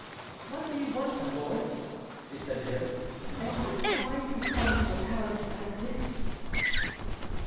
"What do you want, my lord?" she said to him; "and why do you come to the palace like this?"